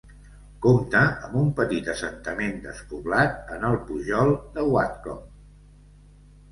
Compta amb un petit assentament despoblat en el pujol de Whatcombe.